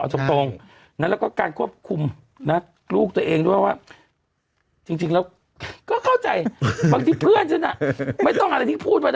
มันปีนเน่มันปีนจริงจริงเน่จัดผูกเชือกไปที่โต๊ะไง